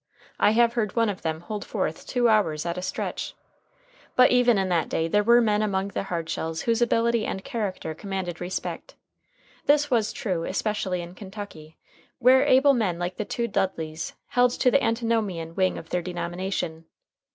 I have heard one of them hold forth two hours at a stretch. But even in that day there were men among the Hardshells whose ability and character commanded respect. This was true, especially in Kentucky, where able men like the two Dudleys held to the Antinomian wing of their denomination.